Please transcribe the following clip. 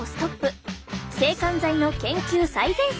制汗剤の研究最前線。